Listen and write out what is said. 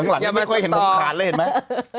หลังยังไม่ค่อยเห็นผมขานเลยเห็นไหม